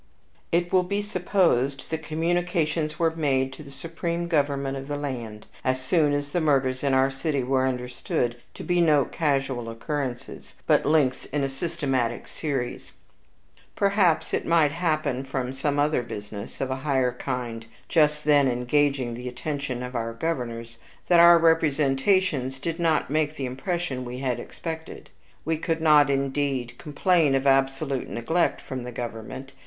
It will be supposed that communications were made to the supreme government of the land as soon as the murders in our city were understood to be no casual occurrences, but links in a systematic series. Perhaps it might happen from some other business, of a higher kind, just then engaging the attention of our governors, that our representations did not make the impression we had expected. We could not, indeed, complain of absolute neglect from the government.